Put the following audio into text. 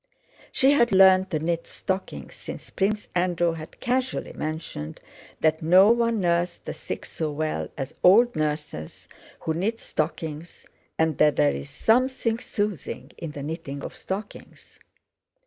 She had learned to knit stockings since Prince Andrew had casually mentioned that no one nursed the sick so well as old nurses who knit stockings, and that there is something soothing in the knitting of stockings.